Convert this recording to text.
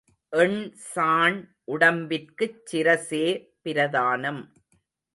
எண்சாண் உடம்பிற்குச் சிரசே பிரதானம்.